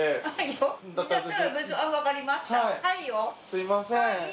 すいません。